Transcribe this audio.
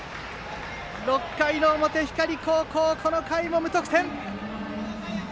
６回の表、光高校この回も無得点！